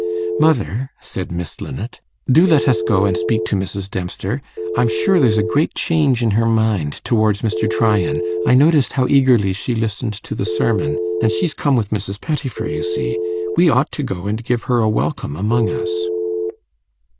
'Mother,' said Miss Linnet, 'do let us go and speak to Mrs. Dempster. I'm sure there's a great change in her mind towards Mr. Tryan. I noticed how eagerly she listened to the sermon, and she's come with Mrs. Pettifer, you see. We ought to go and give her a welcome among us.